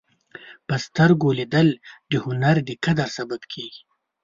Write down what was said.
په سترګو لیدل د هنر د قدر سبب کېږي